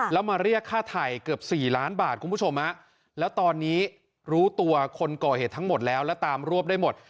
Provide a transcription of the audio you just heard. แล้วมาเรียกค่าไถ่เกือบ๔ล้านบาทคุณผู้ชมแล้วตอนนี้รู้ตัวคนก่อเหตุทั้งหมดแล้วและตามรวบได้หมด